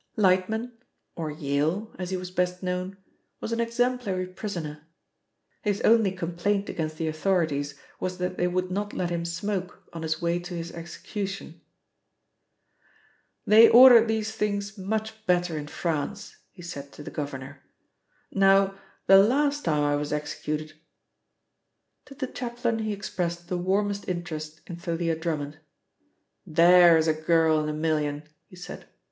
Lightman, or Yale, as he was best known, was an exemplary prisoner. His only complaint against the authorities was that they would not let him smoke on his way to his execution. "They order these things much better in France," he said to the governor. "Now, the last time I was executed " To the chaplain he expressed the warmest interest in Thalia Drummond. "There is a girl in a million!" he said.